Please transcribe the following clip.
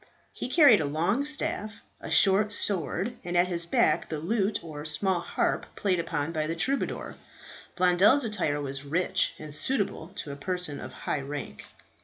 He carried a long staff, a short sword, and at his back the lute or small harp played upon by the troubadour. Blondel's attire was rich, and suitable to a person of high rank.